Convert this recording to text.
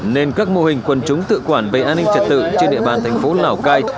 nên các mô hình quân chúng tự quản về an ninh trật tự trên địa bàn thành phố lào cai